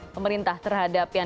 pemerintah terhadap yang